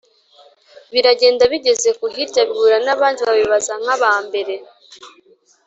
biragenda, bigeze ku hirya bihura n’abandi babibaza nk’aba mbere;